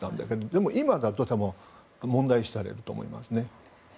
でも今だと多分、問題視されると思いますね。